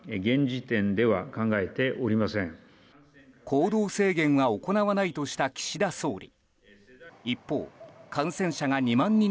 行動制限は行わないとした岸田総理。